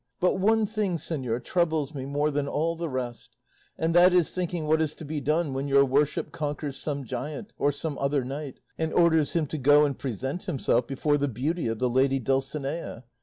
But one thing, señor, troubles me more than all the rest, and that is thinking what is to be done when your worship conquers some giant, or some other knight, and orders him to go and present himself before the beauty of the lady Dulcinea.